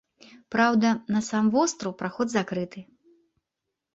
Праўда, на сам востраў праход закрыты.